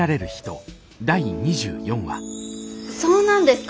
そうなんですか！？